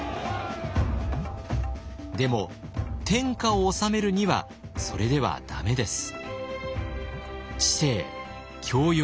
でも天下を治めるにはそれではダメです。